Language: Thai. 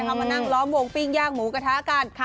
เขามานั่งล้อมวงปิ้งย่างหมูกระทะกัน